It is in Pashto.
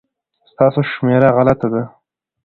ستاسو شمېره غلطه ده